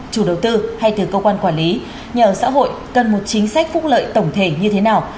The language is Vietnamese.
chủ đầu tư hay từ cơ quan quản lý nhà ở xã hội cần một chính sách phúc lợi tổng thể như thế nào